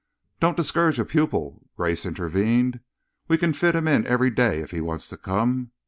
"Don't discourage a pupil," Grace intervened. "We can fit him in every day, if he wants to come.